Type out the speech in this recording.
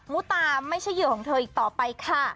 ุตาไม่ใช่เหยื่อของเธออีกต่อไปค่ะ